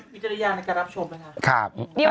มีเจรยาในการรับชมนะครับ